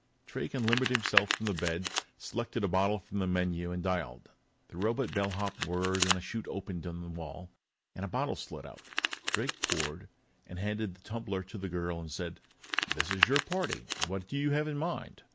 Drake unlimbered himself from the bed, selected a bottle from the menu and dialed. The robot bellhop whirred, a chute opened in the wall, and a bottle slid out. Drake poured, handed the tumbler to the girl, and said: "This is your party; what do you have in mind?"